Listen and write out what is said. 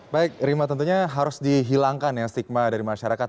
baik rima tentunya harus dihilangkan ya stigma dari masyarakat